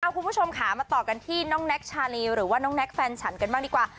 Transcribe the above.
คุณผู้ชมค่ะมาต่อกันที่น้องแน็กชาลีหรือว่าน้องแน็กแฟนฉันกันบ้างดีกว่า